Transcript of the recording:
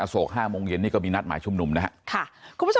โศก๕โมงเย็นนี่ก็มีนัดหมายชุมนุมนะครับ